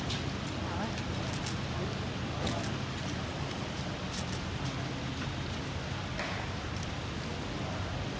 สวัสดีครับสวัสดีครับ